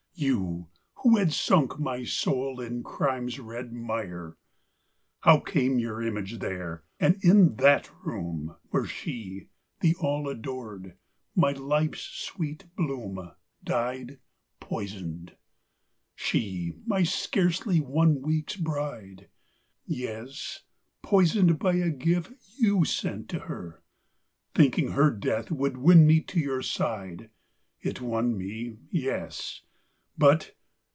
You, who had sunk my soul in crime's red mire! III How came your image there? and in that room! Where she, the all adored, my life's sweet bloom, Died poisoned! She, my scarcely one week's bride Yes, poisoned by a gift you sent to her, Thinking her death would win me to your side. It won me; yes! but....